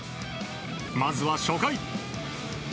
まずは初回。